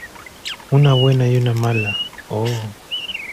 una buena y una mala. ¡ oh!